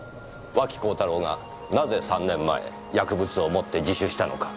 脇幸太郎がなぜ３年前薬物を持って自首したのか。